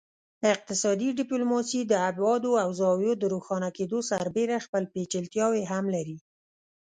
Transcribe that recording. اقتصادي ډیپلوماسي د ابعادو او زاویو د روښانه کیدو سربیره خپل پیچلتیاوې هم لري